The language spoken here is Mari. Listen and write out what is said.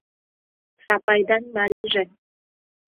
Сапайдан марийже!